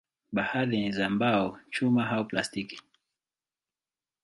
Baadhi ni za mbao, chuma au plastiki.